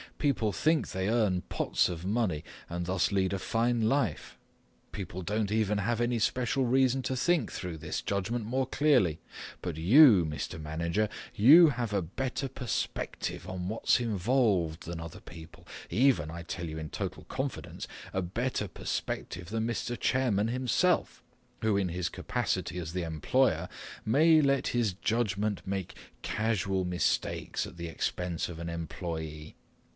People think they earn pots of money and thus lead a fine life. People don't even have any special reason to think through this judgment more clearly. But you, Mr. Manager, you have a better perspective on what's involved than other people, even, I tell you in total confidence, a better perspective than Mr. Chairman himself, who in his capacity as the employer may let his judgment make casual mistakes at the expense of an employee.